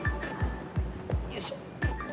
よいしょ。